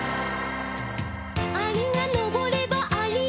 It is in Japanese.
「アリがのぼればアリのき」